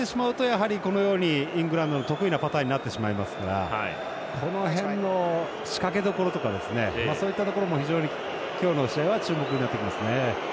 持ちすぎてしまうとイングランドの得意なパターンになるのでこの辺の仕掛けどころとかそういったところも今日の試合は注目になってきますね。